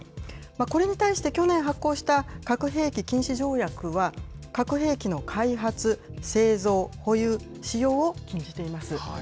これに対して、去年発効した核兵器禁止条約は、核兵器の開発、製造、保有、使用を禁じています。